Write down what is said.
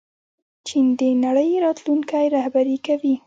چین د نړۍ راتلونکی رهبري کوي.